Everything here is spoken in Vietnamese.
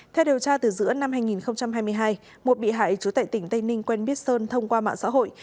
theo điều tra từ giữa năm hai nghìn hai mươi hai một bị hại chú tệ tỉnh tây ninh quen biết sơn thông qua mạng xã hội